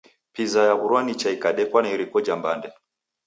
Piza yaw'urwa nicha ikadekwa na iriko ja mbande.